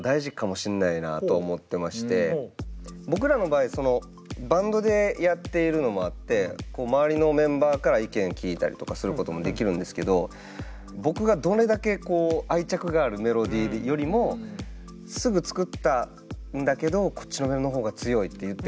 僕らの場合バンドでやっているのもあって周りのメンバーから意見聞いたりとかすることもできるんですけど僕がどれだけ愛着があるメロディーよりもすぐ作ったんだけどこっちのメロの方が強いって言ってくることもあるし。